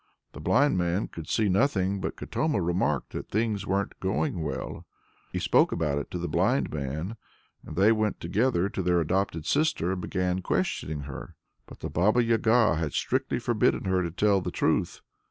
The blind man could see nothing, but Katoma remarked that things weren't going well. He spoke about it to the blind man, and they went together to their adopted sister, and began questioning her. But the Baba Yaga had strictly forbidden her to tell the truth.